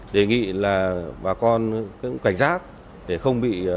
đề nghị bà con cảnh giác để không bị mất tài sản